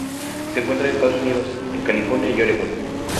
Se encuentra en Estados Unidos en California y Oregón.